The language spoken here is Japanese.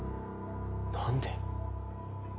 何で？